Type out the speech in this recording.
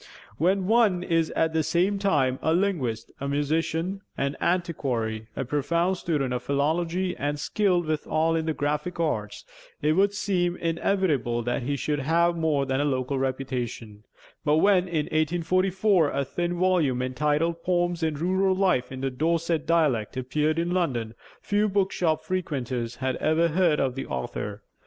When one is at the same time a linguist, a musician, an antiquary, a profound student of philology, and skilled withal in the graphic arts, it would seem inevitable that he should have more than a local reputation; but when, in 1844, a thin volume entitled 'Poems of Rural Life in the Dorset Dialect' appeared in London, few bookshop frequenters had ever heard of the author.